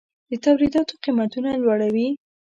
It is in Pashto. د تولیداتو قیمتونه لوړوي.